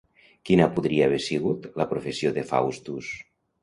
Quina podria haver sigut la professió de Faustus?